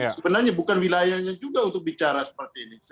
sebenarnya bukan wilayahnya juga untuk bicara seperti ini